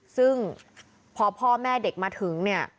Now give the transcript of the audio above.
ซึ่งพอพ่อแม่เด็กมาถึงเนี่ย